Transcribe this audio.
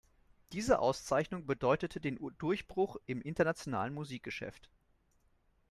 Diese Auszeichnung bedeutete den Durchbruch im internationalen Musikgeschäft.